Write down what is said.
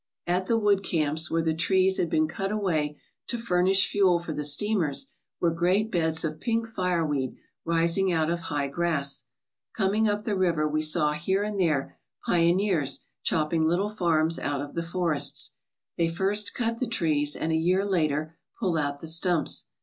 At the wood camps, where the trees had been cut away to furnish fuel for the steamers, were great beds of pink fireweed rising out of high grass. Coming up the river we saw here and there pioneers chopping little farms out of the forests. They first cut the trees and a year later pull out the stumps.